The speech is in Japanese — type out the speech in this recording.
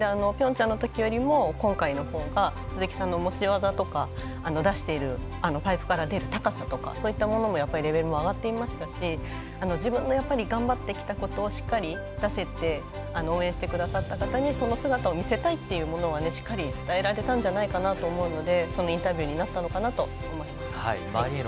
ピョンチャンのときよりも今回のほうが鈴木さんの持ち技とかパイプから出る高さとかそういったものもレベルも上がっていましたし自分の頑張ってきたことをしっかり出せて応援してくださった方にその姿を見せたいというものはしっかり伝えられたんじゃないかなと思うのでそのインタビューになったのかなと思います。